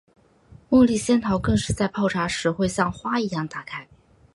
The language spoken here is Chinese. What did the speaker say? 茉莉仙桃更是在泡茶时会像花一样打开。